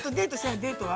◆デートは？